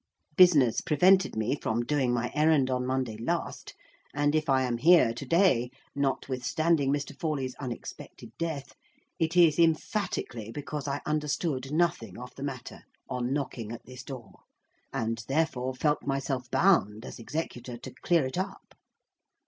Business prevented me from doing my errand on Monday last—and if I am here to day, notwithstanding Mr. Forley's unexpected death, it is emphatically because I understood nothing of the matter, on knocking at this door; and therefore felt myself bound, as executor, to clear it up.